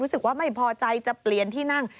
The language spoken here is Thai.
รู้สึกว่าไม่พอใจจะเปลี่ยนที่นั่ง